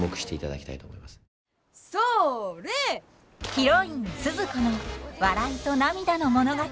ヒロインスズ子の笑いと涙の物語。